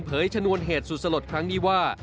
ชนวนเหตุสุดสลดครั้งนี้ว่า